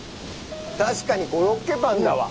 確かにコロッケパンだわ。